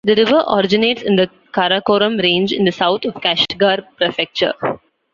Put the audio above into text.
The river originates in the Karakoram range in the south of the Kashgar Prefecture.